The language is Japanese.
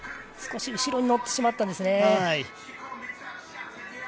少し後ろに乗ってしまったんですね。